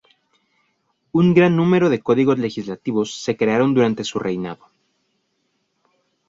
Un gran número de códigos legislativos se crearon durante su reinado.